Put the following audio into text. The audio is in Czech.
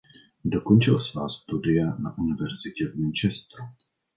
Dokončil svá studia na universitě v Manchesteru.